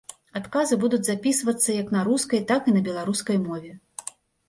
Адказы будуць запісвацца як на рускай, так і на беларускай мове.